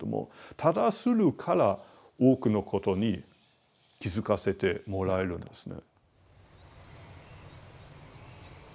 ただするから多くのことに気付かせてもらえるんですね。